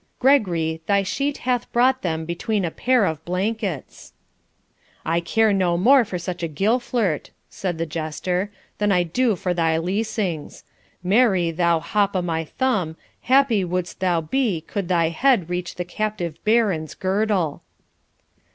Gregory, thy sheet hath brought them between a pair of blankets.' 'I care no more for such a gillflirt,' said the jester,' than I do for thy leasings. Marry, thou hop o' my thumb, happy wouldst thou be could thy head reach the captive Baron's girdle.'